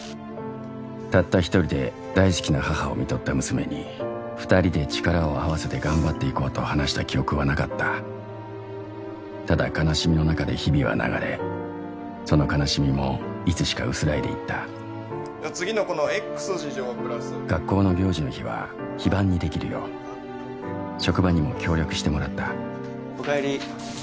たった一人で大好きな母をみとった娘に二人で力を合わせて頑張っていこうと話した記憶はなかったただ悲しみの中で日々は流れその悲しみもいつしか薄らいでいった次のこの Ｘ 二乗プラス学校の行事の日は非番にできるよう職場にも協力してもらったお帰り